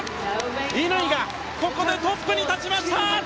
乾がここでトップに立ちました！